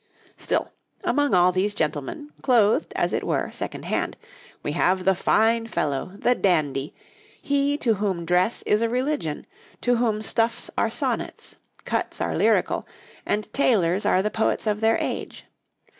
] Still, among all these gentlemen, clothed, as it were, second hand, we have the fine fellow, the dandy he to whom dress is a religion, to whom stuffs are sonnets, cuts are lyrical, and tailors are the poets of their age.